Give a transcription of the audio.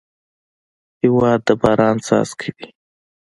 هېواد د باران څاڅکی دی.